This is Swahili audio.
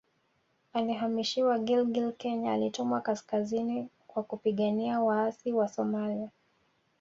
Alihamishiwa Gilgil Kenya alitumwa kaskazini kwa kupigania waasi Wasomalia